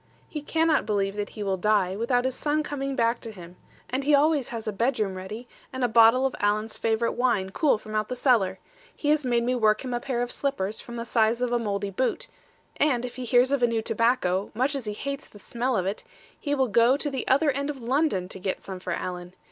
He cannot believe that he will die, without his son coming back to him; and he always has a bedroom ready, and a bottle of Alan's favourite wine cool from out the cellar; he has made me work him a pair of slippers from the size of a mouldy boot; and if he hears of a new tobacco much as he hates the smell of it he will go to the other end of London to get some for Alan.